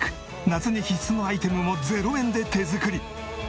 夏に必須のアイテムも０円で手作り。